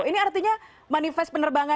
ini artinya manifest penerbangan